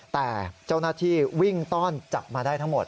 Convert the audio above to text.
แต่เจ้าหน้าที่วิ่งต้อนจับมาได้ทั้งหมด